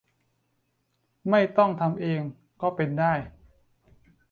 ไม่ต้องทำเอง ก็เป็นได้